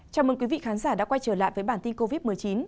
chào mừng quý vị khán giả đã quay trở lại với bản tin covid một mươi chín